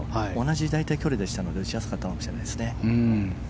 同じ距離だったので打ちやすかったかもしれないですね。